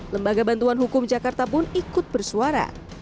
lembaga bantuan hukum jakarta pun ikut bersuara